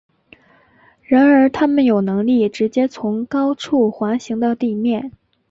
然而它们有能力直接从高处滑行到地面。